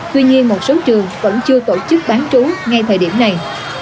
tuy nhiên một số trường vẫn chưa tổ chức bán trú ngay thời điểm này